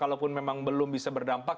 kalaupun memang belum bisa berdampak